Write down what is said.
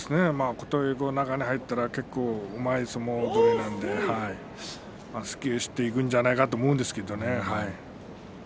琴恵光、中に入ったらうまい相撲取りなんで突き押しでくるんじゃないかと思うんですけどね。